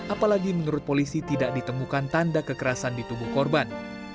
apalagi menurut polisi tidak ditemukan tanda kekerasan di tubuh korban